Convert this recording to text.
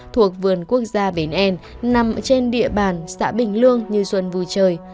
thuộc vườn quốc gia bến en nằm trên địa bàn xã bình luông như xuân vui chơi